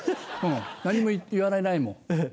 何も言われないもん。